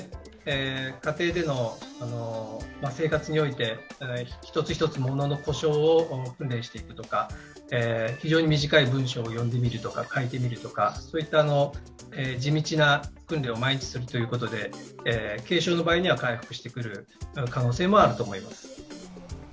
家庭での生活において一つ一つ物の呼称を訓練していくとか非常に短い文章を読んでみるとか書いてみるとかそういった地道な訓練を毎日することで軽症の場合には回復してくる可能性もあると思います。